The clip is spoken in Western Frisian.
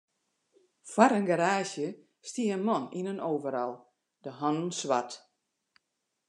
Foar in garaazje stie in man yn in overal, de hannen swart.